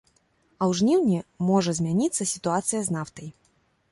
А ў жніўні можа змяніцца сітуацыя з нафтай.